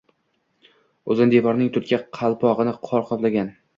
Uzun devorning tunuka qalpog‘ini qor qoplagan.